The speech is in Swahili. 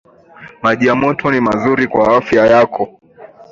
Maji ya moto ni mazuri kwa afya yako